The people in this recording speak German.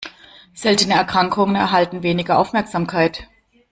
Seltene Erkrankungen erhalten weniger Aufmerksamkeit.